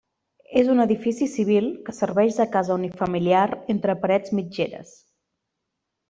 És un edifici civil que serveix de casa unifamiliar entre parets mitgeres.